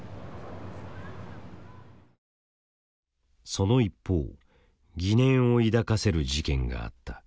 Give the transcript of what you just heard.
その一方疑念を抱かせる事件があった。